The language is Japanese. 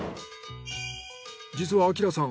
実は晃さん